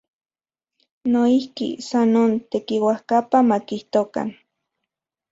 Noijki, san non, tekiuajkapa makijtokan.